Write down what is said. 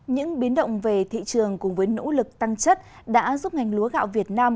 những biến động về thị trường cùng với nỗ lực tăng chất đã giúp ngành lúa gạo việt nam